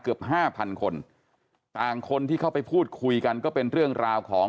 เกือบห้าพันคนต่างคนที่เข้าไปพูดคุยกันก็เป็นเรื่องราวของ